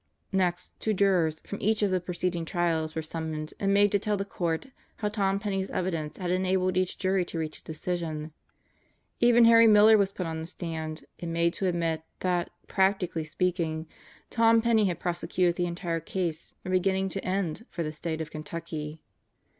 Next, two jurors from each of the preceding trials were summoned and made to tell the court how Tom Penney's evidence had enabled each jury to reach a decision. Even Harry Miller was put on the stand and made to admit that, practically speaking, Tom Penney had prosecuted the entire case from beginning to end for the State of Kentucky.